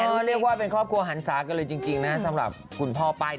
ก็เรียกว่าเป็นครอบครัวหันศากันเลยจริงนะสำหรับคุณพ่อป้าย